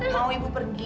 mau ibu pergi